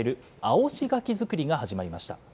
おし柿作りが始まりました。